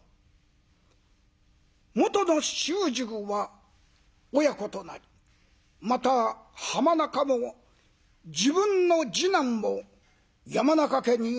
もとの主従は親子となりまた浜川も自分の次男を山中家に養子に出します。